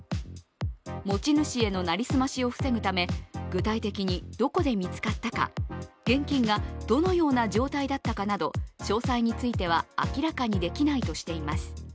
持ち主への成り済ましを防ぐため、具体的にどこで見つかったか、現金がどのような状態だったかなど、詳細については明らかにできないとしています。